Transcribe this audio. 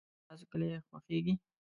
د تاسو کلي خوښیږي؟